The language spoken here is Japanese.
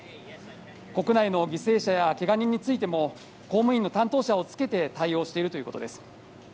国内の犠牲者やけが人についても公務員の担当をつけて対応しているということです。